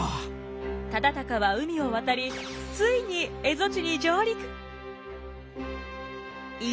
忠敬は海を渡りついに蝦夷地に上陸。